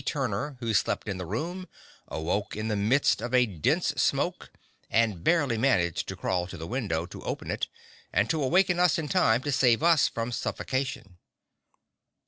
Turner, who slept in the room, awoke in the midst of a dense smoke and barely managed to crawl to the window to open it, and to awaken us in time to save us from suffocation.